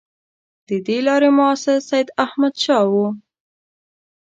د دې لارې مؤسس سیداحمدشاه وو.